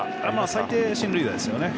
最低、進塁打ですよね。